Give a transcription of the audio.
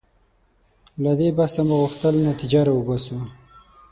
له دې بحثه مو غوښتل نتیجه راوباسو.